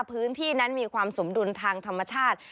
พื้นที่นั้นมีความสมดุลทางธรรมชาติ